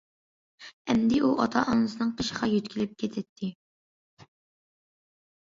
ئەمدى ئۇ ئاتا- ئانىسىنىڭ قېشىغا يۆتكىلىپ كېتەتتى.